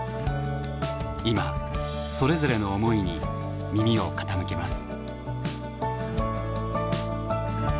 今それぞれの思いに耳を傾けます。